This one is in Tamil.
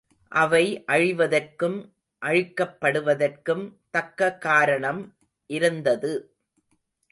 அவை அழிவதற்கும் அழிக்கப்படுவதற்கும் தக்க காரணம் இருந்தது.